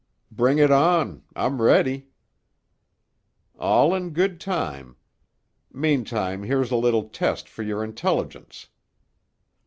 "Bring it on. I'm ready!" "All in good time. Meantime, here's a little test for your intelligence.